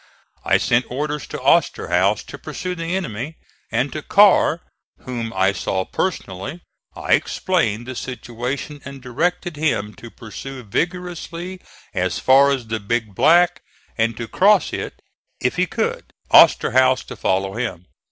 I sent orders to Osterhaus to pursue the enemy, and to Carr, whom I saw personally, I explained the situation and directed him to pursue vigorously as far as the Big Black, and to cross it if he could; Osterhaus to follow him.